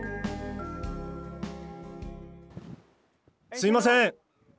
すいません！